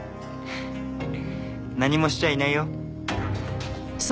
何もしちゃいないよ。